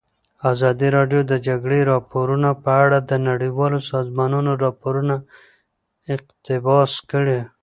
ازادي راډیو د د جګړې راپورونه په اړه د نړیوالو سازمانونو راپورونه اقتباس کړي.